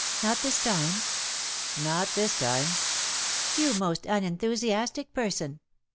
'' Not this time ?'" Not this time/' " You most unenthusiastic person.